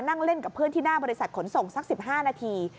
นั่งเล่นกับเพื่อนที่หน้าบริษัทขนส่งสัก๑๕นาที